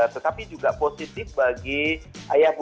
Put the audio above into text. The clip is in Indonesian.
tetapi juga positif bagi ayah budi